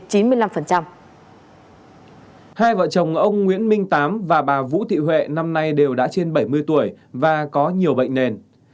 hai vợ chồng ông nguyễn minh tám và bà vũ thị huệ năm nay đều đã trên bảy mươi tuổi và có nhiều bệnh nền